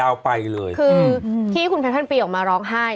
คือที่คุณเพชรพันธ์ปีออกมาร้องไห้